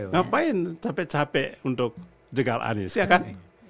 ngapain capek capek untuk jegal anies ya kan